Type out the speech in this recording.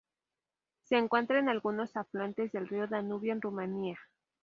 Se encuentra en algunos afluentes del río Danubio en Rumanía.